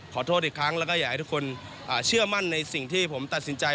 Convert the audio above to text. ขอโทษอีกครั้งแล้วก็อยากให้ทุกคนเชื่อมั่นในสิ่งที่ผมตัดสินใจ